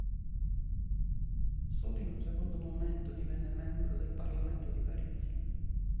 Solo in un secondo momento divenne membro del Parlamento di Parigi.